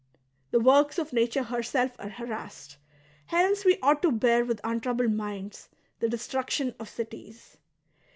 The works of nature herself are harassed ; hence we ought to bear with untroubled minds the destruction of cities.